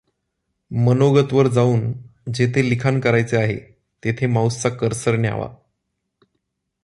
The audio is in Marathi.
मनोगतवर जाऊन जेथे लिखाण करायचे असेल तेथे माऊसचा कर्सर न्यावा.